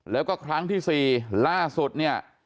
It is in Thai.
แล้วก็ครั้งที่๔ล่าสุดเนี่ย